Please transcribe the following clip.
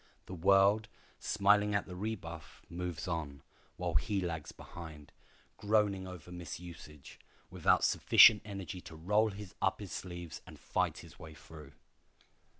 The world, smiling at the rebuff, moves on, while he lags behind, groaning over misusage, without sufficient energy to roll up his sleeves and fight his way through.